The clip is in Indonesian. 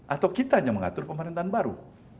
atau kita hanya mengatur pemerintahan baru